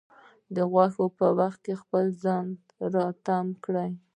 د غوسې په وخت کې خپل ځان راتم کړي.